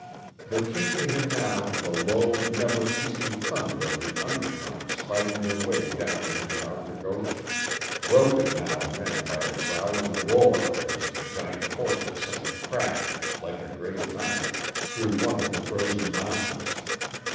There came to him now the low, never ceasing thunder of the undercurrents fighting their way down from the Arctic Ocean, broken now and then by a growling roar as the giant forces sent a crack, like a great knife, through one of the frozen mountains.